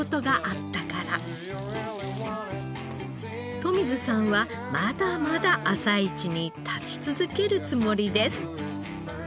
冨水さんはまだまだ朝市に立ち続けるつもりです。